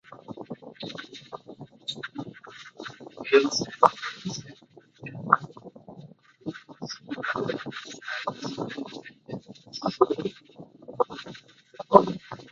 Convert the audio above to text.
Males and females have been shown to be similar in size and appearance.